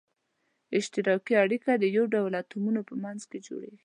اشتراکي اړیکه د یو ډول اتومونو په منځ کې هم جوړیږي.